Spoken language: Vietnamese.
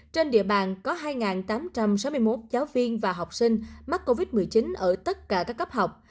trên địa bàn có hai tám trăm sáu mươi một giáo viên và học sinh mắc covid một mươi chín ở tất cả các cấp học